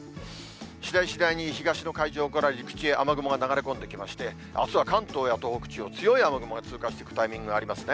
次第、次第に、東の海上から陸地へ雨雲が流れ込んできまして、あすは関東や東北地方、強い雨雲が通過していくタイミングがありますね。